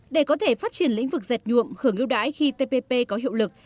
để có thể phát triển lĩnh vực dệt nhuộm khởi ngưu đãi khi tpp có hiệu lực